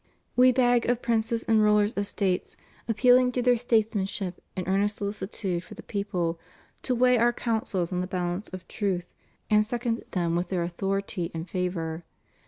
We beg of princes and rulers of States, appealing to their statesmanship and earnest sohcitude for the people, to weigh Our counsels in the balance of truth and second them with their authority and favor.